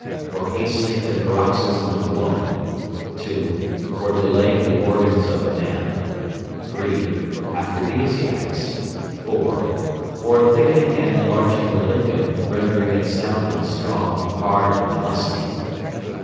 For hastening the paroxysm of the woman. 2. For delaying the organs of the man. 3. Aphrodisiacs. 4. For thickening and enlarging the lingam, rendering it sound and strong, hard and lusty.